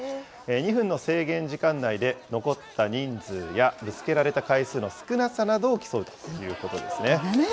２分の制限時間内で残った人数や、ぶつけられた回数の少なさなどを競うということですね。